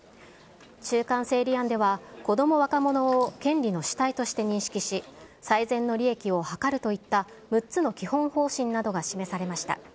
中間整理案ではこども・若者を権利の主体として認識し、最善の利益を図るといった、６つの基本方針などが示されました。